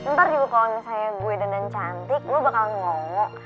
ntar juga kalo misalnya gue dandan cantik lo bakal ngongok